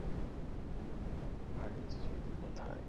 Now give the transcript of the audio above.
ভাই, জিপ কোথায়?